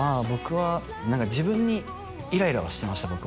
僕は何か自分にイライラはしてました